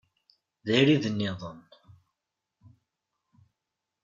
D arid-nniḍen.